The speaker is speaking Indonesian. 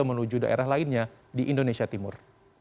menuju daerah lainnya di indonesia timur